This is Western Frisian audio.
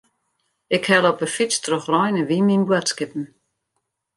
Ik helle op 'e fyts troch rein en wyn myn boadskippen.